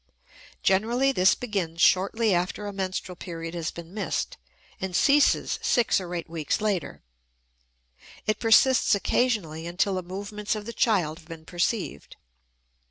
Generally this begins shortly after a menstrual period has been missed and ceases six or eight weeks later; it persists occasionally until the movements of the child have been perceived.